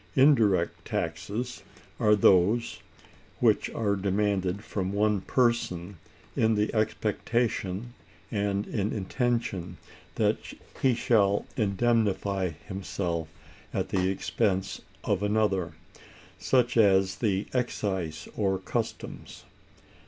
Indirect taxes are those which are demanded from one person in the expectation and intention that he shall indemnify himself at the expense of another: such as the excise or customs.